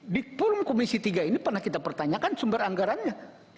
di forum komisi tiga ini pernah kita pertanyakan sumber anggarannya